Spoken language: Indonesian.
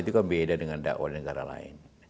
itu kan beda dengan dakwah negara lain